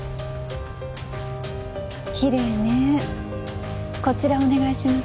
キレイねこちらをお願いします